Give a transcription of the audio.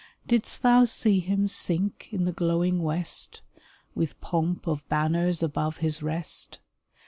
Didst thou see him sink in the glowing west With pomp of banners above his rest